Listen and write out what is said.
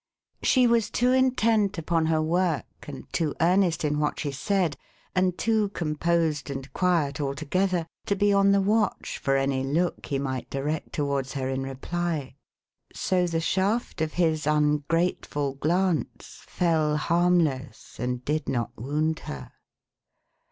She was too intent upon her work, and too earnest in what she said, and too composed and quiet altogether, to be on the watch for any look he might direct towards her in reply ; so the shaft of his ungrateful glance fell harmless, and did not wound her.